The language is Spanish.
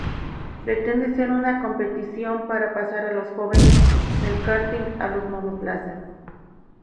Pretende ser una competición, para pasar a los jóvenes, del karting a los monoplazas.